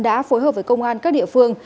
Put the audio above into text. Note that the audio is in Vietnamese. đã phối hợp với công an các địa phương